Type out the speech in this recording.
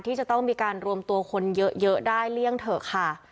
ที่จะต้องมีการรวมตัวคนเยอะได้เลี่ยงเถอะค่ะ